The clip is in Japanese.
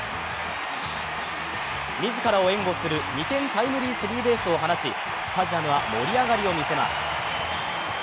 自らを援護する２点タイムリースリーベースを放ち、スタジアムは盛り上がりを見せます。